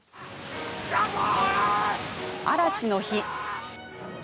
嵐の日。